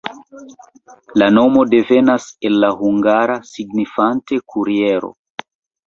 La nomo devenas el la hungara, signifanta kuriero.